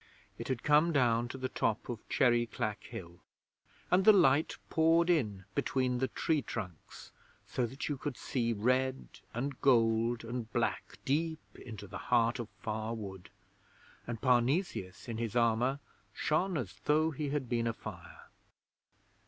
It had come down to the top of Cherry Clack Hill, and the light poured in between the tree trunks so that you could see red and gold and black deep into the heart of Far Wood; and Parnesius in his armour shone as though he had been afire.